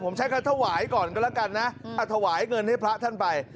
ผมใช้คำถวายก่อนก็แล้วกันนะถวายเงินให้พระท่านไป